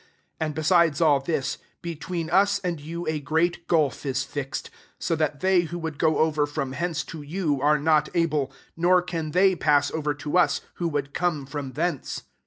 26 And, be sides all this, between us and you a great gulf is fixed : so that they who would go over from hence to you, are not able ; nor can they pass over to us, who vfould come from thence.'